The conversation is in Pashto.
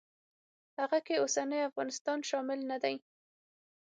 هغه کې اوسنی افغانستان شامل نه دی.